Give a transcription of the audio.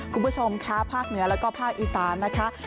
คุณผู้ชมค่ะภาคเหนือแล้วก็ภาคอีสานนะคะ